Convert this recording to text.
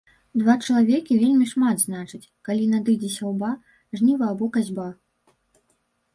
Два чалавекі вельмі шмат значыць, калі надыдзе сяўба, жніво або касьба.